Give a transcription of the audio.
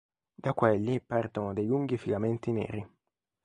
Da quelli partono dei lunghi filamenti neri.